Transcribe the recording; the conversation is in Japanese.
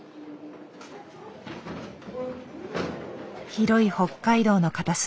広い北海道の片隅。